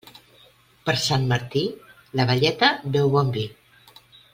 Per Sant Martí, la velleta beu bon vi.